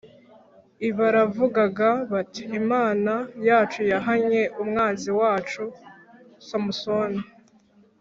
i Baravugaga bati imana yacu yahanye umwanzi wacu Samusoni